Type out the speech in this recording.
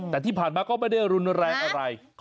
แต่ที่ผ่านมาก็ไม่ได้รุนแรงอะไร